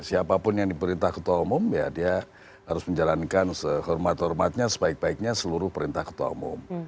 siapapun yang diperintah ketua umum ya dia harus menjalankan sehormat hormatnya sebaik baiknya seluruh perintah ketua umum